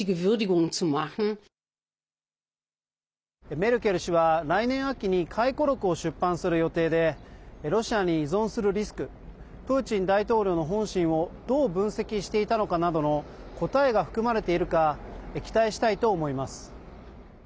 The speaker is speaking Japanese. メルケル氏は来年秋に回顧録を出版する予定でロシアに依存するリスクプーチン大統領の本心をどう分析していたのかなどの答えが含まれているか期待したいと思います。